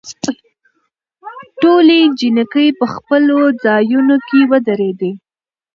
ټولې جینکې په خپلو ځايونوکې ودرېدي.